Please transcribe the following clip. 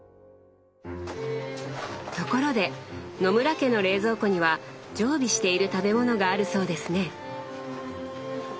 ところで野村家の冷蔵庫には常備している食べ物があるそうですね